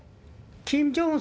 キム・ジョンウン